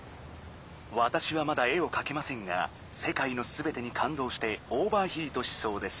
「わたしはまだ絵をかけませんがせかいのすべてにかんどうしてオーバーヒートしそうです」。